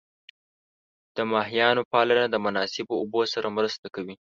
د ماهیانو پالنه د مناسب اوبو سره مرسته کوي.